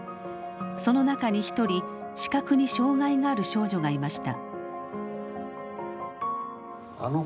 その中に１人視覚に障害がある少女がいました。